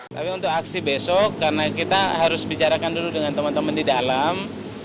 tapi untuk aksi besok karena kita harus bicarakan dulu dengan teman teman di dalam